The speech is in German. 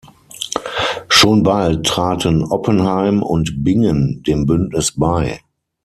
Schon bald traten Oppenheim und Bingen dem Bündnis bei.